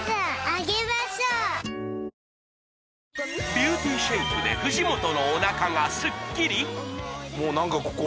ビューティーシェイプで藤本のおなかがスッキリ？